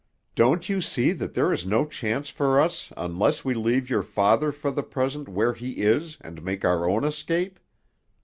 "Don't you see that there is no chance for us unless we leave your father for the present where he is and make our own escape?